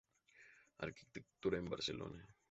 Arquitectura en Barcelona